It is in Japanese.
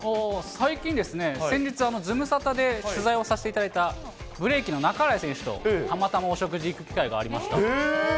最近、先日、ズムサタで取材をさせていただいたブレーキンのなかむら選手とたまたまお食事行く機会がありました。